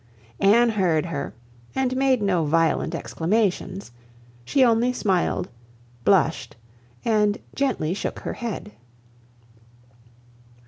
Anne heard her, and made no violent exclamations; she only smiled, blushed, and gently shook her head.